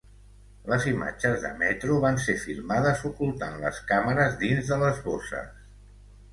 Les imatges de metro van ser filmades ocultant les càmeres dins de les bosses.